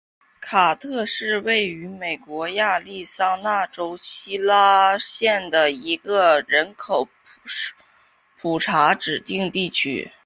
卡特是位于美国亚利桑那州希拉县的一个人口普查指定地区。